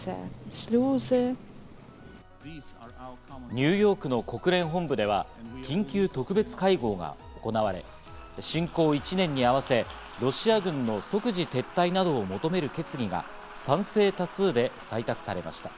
ニューヨークの国連本部では緊急特別会合が行われ、侵攻１年に合わせ、ロシア軍の即時撤退などを求める決議が賛成多数で採択されました。